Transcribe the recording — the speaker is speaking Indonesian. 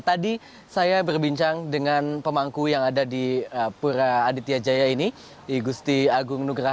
tadi saya berbincang dengan pemangku yang ada di pura aditya jaya ini igusti agung nugraha